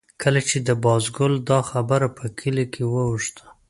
کله چې د بازګل دا خبره په کلي کې واوښته.